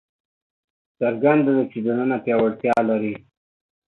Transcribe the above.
څرګنده ده چې دننه پیاوړتیا لري.